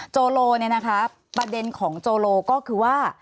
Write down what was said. โจโลเนี่ยนะคะประเด็นของโจโลก็คือว่า